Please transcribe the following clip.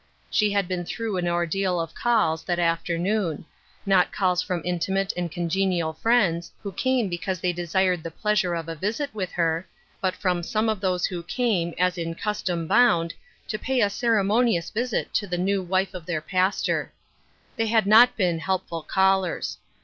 She had been through an ordeal of calls, that after noon; not calls from intimate and congenial friends, who came because they desired the pleasure of a visit with her, but from some of ,\hose who came, as in custom bound, to pay a ceremonious visit to the new wife of their pas tor. They had not been helpful callers.